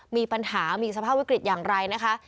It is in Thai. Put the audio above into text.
มีปัญหามีสภาพวิกฤตอย่างไรนะคะ